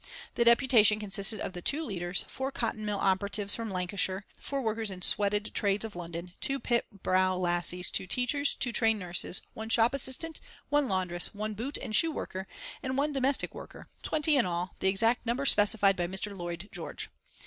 The deputation consisted of the two leaders, four cotton mill operatives from Lancashire, four workers in sweated trades of London, two pit brow lassies, two teachers, two trained nurses, one shop assistant, one laundress, one boot and shoe worker and one domestic worker, twenty in all, the exact number specified by Mr. Lloyd George.